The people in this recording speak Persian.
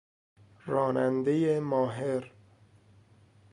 رانندهی ماهر